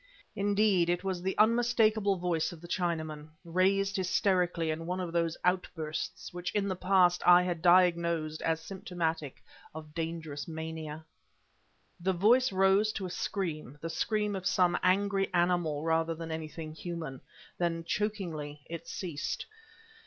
Indeed, it was the unmistakable voice of the Chinaman, raised hysterically in one of those outbursts which in the past I had diagnosed as symptomatic of dangerous mania. The voice rose to a scream, the scream of some angry animal rather than anything human. Then, chokingly, it ceased.